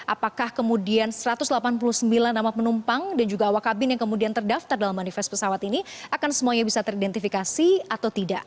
apakah kemudian satu ratus delapan puluh sembilan nama penumpang dan juga awak kabin yang kemudian terdaftar dalam manifest pesawat ini akan semuanya bisa teridentifikasi atau tidak